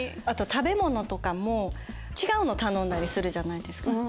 あと食べ物とかも違うの頼んだりするじゃないですか。